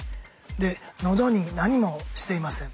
で喉に何もしていません。